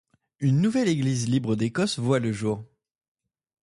Une nouvelle Église libre d’Écosse voit le jour.